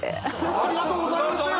ありがとうございます！